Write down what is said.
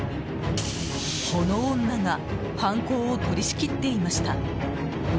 この女が犯行を取り仕切っていました。